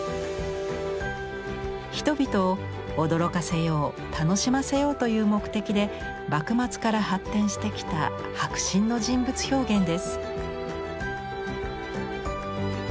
人々を驚かせよう楽しませようという目的で幕末から発展してきた迫真の人物表現です。